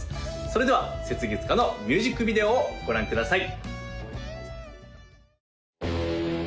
それでは「雪月花」のミュージックビデオをご覧ください